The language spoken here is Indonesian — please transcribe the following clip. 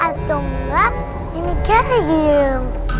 atau enggak yang digayung